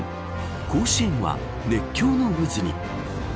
甲子園は、熱狂の渦に。